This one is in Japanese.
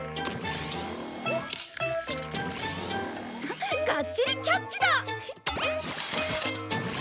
フフッガッチリキャッチだ！